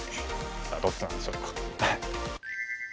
さあどっちなんでしょうか。